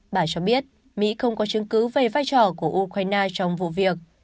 bà cho biết mỹ không có chứng cứ về vai trò của ukraine trong vụ việc